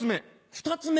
２つ目？